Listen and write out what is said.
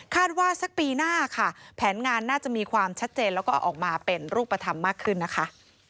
ว่าสักปีหน้าค่ะแผนงานน่าจะมีความชัดเจนแล้วก็ออกมาเป็นรูปธรรมมากขึ้นนะคะ